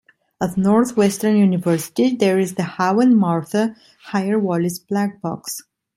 At Northwestern University there is The Hal and Martha Hyer Wallis Blackbox.